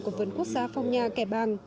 của vườn quốc gia phong nha kẻ bàng